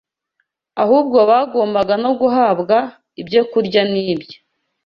ahubwo bagombaga no guhabwa ibyo kurya n’ibyo